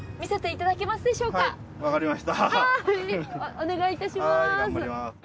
お願いいたします。